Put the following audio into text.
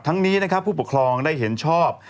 นี้นะครับผู้ปกครองได้เห็นชอบ